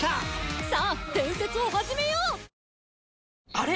あれ？